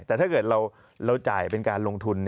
แต่ถ้าเกิดเราจ่ายเป็นการลงทุน